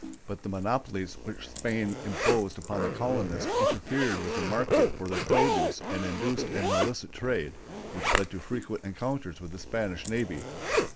But the monopolies which Spain imposed upon the colonists interfered with the market for their produce and induced an illicit trade, which led to frequent encounters with the Spanish navy.